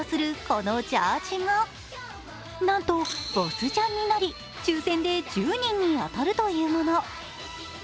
このジャージがなんとボスジャンになり、抽選で１０人に当たるというもの。